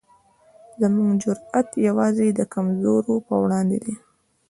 زموږ جرئت یوازې د کمزورو پر وړاندې دی.